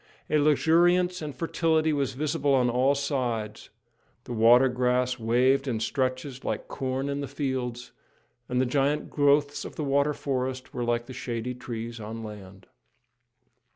A luxuriance and fertility was visible on all sides; the water grass waved in stretches like corn in the fields, and the giant growths of the water forests were like the shady trees on land.